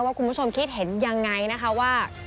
คุณผู้ชมคิดเห็นยังไงนะคะว่า